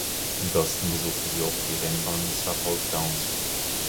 In Boston besuchte sie oft die Rennbahn Suffolk Downs.